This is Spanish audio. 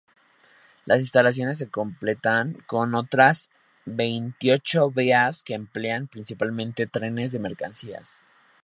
Las instalaciones se completan con otras veintiocho vías que emplean principalmente trenes de mercancías.